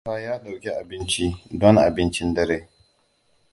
Mustapha ya ɗauki abinci don abincin dare.